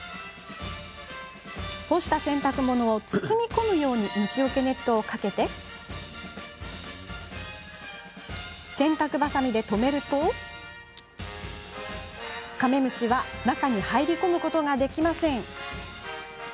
干した洗濯物を包み込むように虫よけネットをかけて洗濯ばさみで留めるとカメムシは中に入り込むことができません。